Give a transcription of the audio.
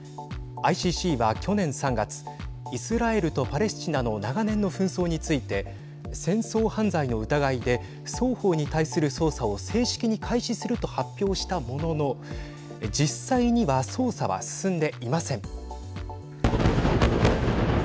ＩＣＣは去年３月イスラエルとパレスチナの長年の紛争について戦争犯罪の疑いで双方に対する捜査を正式に開始すると発表したものの実際には捜査は進んでいません。